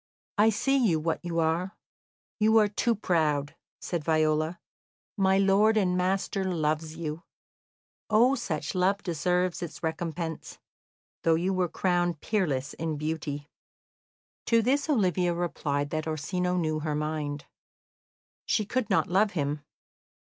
"I see you what you are you are too proud," said Viola. "My lord and master loves you. Oh, such love deserves its recompense, though you were crowned peerless in beauty." To this Olivia replied that Orsino knew her mind; she could not love him.